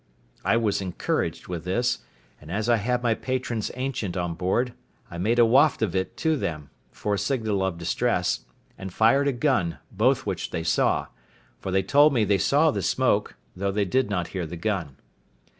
I was encouraged with this, and as I had my patron's ancient on board, I made a waft of it to them, for a signal of distress, and fired a gun, both which they saw; for they told me they saw the smoke, though they did not hear the gun.